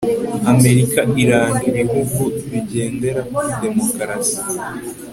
amerika iranga ibihugu bigendera kuri demokarasi